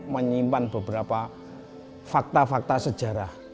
menyimpan beberapa fakta fakta sejarah